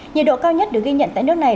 nhiệt độ cao nhất được ghi nhận tại nước này